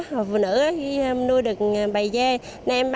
hộp phụ nữ nuôi được bày dê em bán được mấy lứa rồi em rất cảm ơn hộp phụ nữ nhiều ạ